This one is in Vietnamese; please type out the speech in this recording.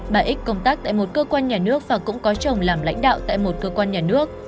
bà ích công tác tại một cơ quan nhà nước và cũng có chồng làm lãnh đạo tại một cơ quan nhà nước